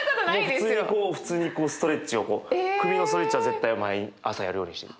もう普通にこう普通にこうストレッチをこう首のストレッチは絶対毎朝やるようにしてる。